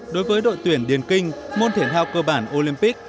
đối với đội tuyển điền kinh môn thể thao cơ bản olympic